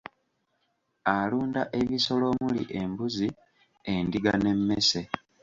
Alunda ebisolo omuli embuzi endiga n'emmese.